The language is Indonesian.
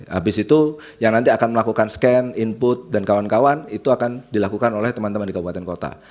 habis itu yang nanti akan melakukan scan input dan kawan kawan itu akan dilakukan oleh teman teman di kabupaten kota